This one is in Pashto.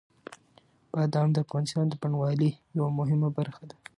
بادام د افغانستان د بڼوالۍ یوه مهمه برخه ده.